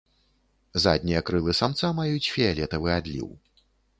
Заднія крылы самца маюць фіялетавы адліў.